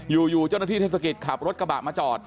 อยู่เจ้าหน้าที่เทศกิจขับรถกระบะมาจอด